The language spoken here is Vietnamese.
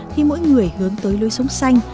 khi mỗi người hướng tới lối sống xanh